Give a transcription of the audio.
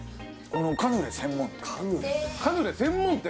カヌレ専門店！